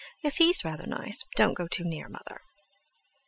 "Yes, he's rather nice! Don't go too near, mother."